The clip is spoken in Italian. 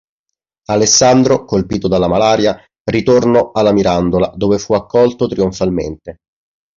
Alessandro, colpito dalla malaria, ritorno alla Mirandola dove fu accolto trionfalmente.